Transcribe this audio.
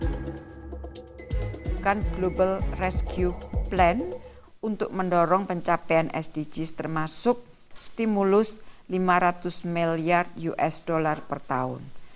kita kan global rescue plan untuk mendorong pencapaian sdgs termasuk stimulus lima ratus miliar usd per tahun